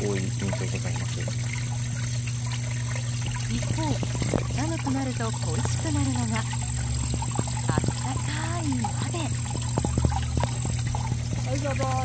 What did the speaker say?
一方、寒くなると恋しくなるのが温かい鍋。